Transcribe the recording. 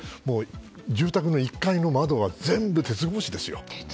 住宅の１階の窓は全部鉄格子ですよ。